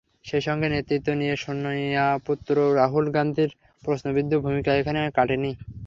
সেই সঙ্গে নেতৃত্ব নিয়ে সোনিয়াপুত্র রাহুল গান্ধীর প্রশ্নবিদ্ধ ভূমিকা এখনো কাটেনি।